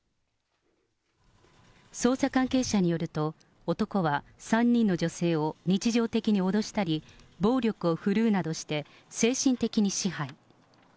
捜査関係者によると、男は３人の女性を日常的に脅したり、暴力を振るうなどして、精神的に支配。